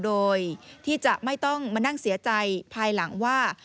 โดยที่จะไม่ต้องมานั่งเสียใจภายหลังว่า